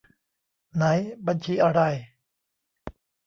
ไหน บัญชีอะไร